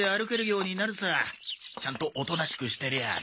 ちゃんとおとなしくしてりゃあな。